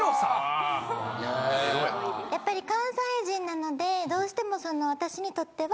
やっぱり関西人なのでどうしても私にとっては。